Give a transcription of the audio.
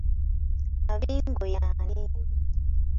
Mabingo y'ani?